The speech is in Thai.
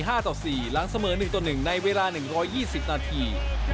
หลังเสมอ๑๑ในเวลา๑๒๐นาที